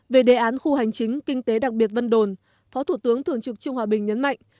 về đề án khu hành chính kinh tế đặc biệt vân đồn phó thủ tướng thường trực trương hòa bình nhấn mạnh